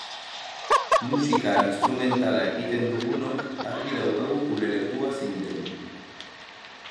Musika instrumentala egiten dugunok argi daukagu gure lekua zein den.